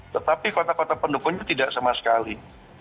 tetapi kota kota pendukungnya tidak sama sekali